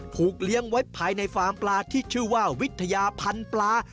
เลี้ยงไว้ภายในฟาร์มปลาที่ชื่อว่าวิทยาพันธุ์ปลา